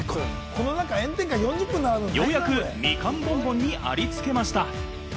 ようやく、みかんボンボンにありつけました。